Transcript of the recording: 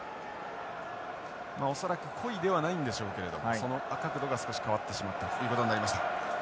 恐らく故意ではないんでしょうけれどその角度が少し変わってしまったということになりました。